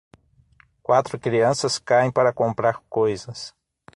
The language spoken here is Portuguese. Quatro crianças saem para comprar coisas